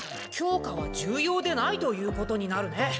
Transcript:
教科は重要でないということになるね。